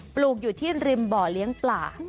ปลูกอยู่ที่ริมบ่อเลี้ยงปลา